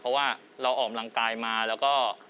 เพราะว่าเราออกกำลังกายมาแล้วก็